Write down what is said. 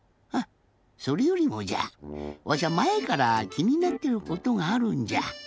それよりもじゃわしゃまえからきになってることがあるんじゃ。